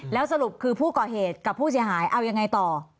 แล้วสรุปคือผู้ก่อเหตุกับผู้เสียหายเอายังไงต่อ